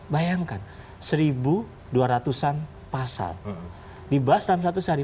bayangkan satu dua ratus an pasal dibahas dalam seratus hari